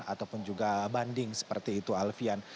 jadi ini juga banding seperti itu alfian